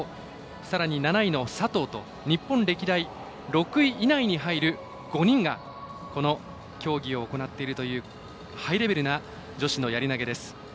さらに７位の佐藤と日本歴代６位以内に入る５人がこの競技を行っているというハイレベルな女子のやり投げです。